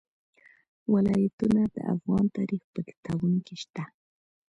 ولایتونه د افغان تاریخ په کتابونو کې شته.